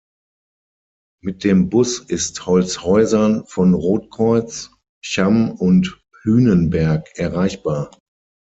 Mit dem Bus ist Holzhäusern von Rotkreuz, Cham und Hünenberg erreichbar.